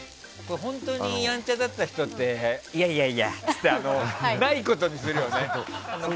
本当にやんちゃだった人っていやいやってないことにするよね。